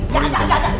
gak gak gak